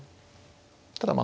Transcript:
ただまあ